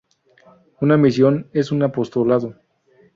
Una misión es un apostolado.